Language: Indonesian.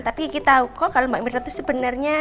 tapi kiki tau kok kalau mbak mirna itu sebenarnya